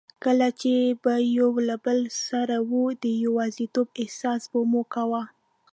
کله چي به یو له بل سره وو، د یوازیتوب احساس به مو کاوه.